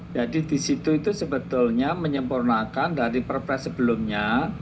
jadi di situ itu sebetulnya menyempurnakan dari perpres sebelumnya